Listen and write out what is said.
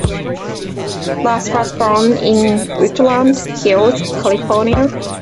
Brass was born in Woodland Hills, California.